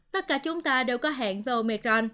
tất cả chúng ta đều có hẹn với omicron